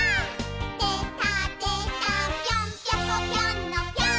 「でたでたぴょんぴょこぴょんのぴょーん」